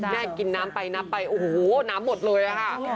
กินน้ำไปนับไปโอ้โหน้ำหมดเลยอะค่ะ